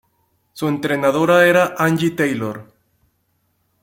Su entrenadora era Angie Taylor.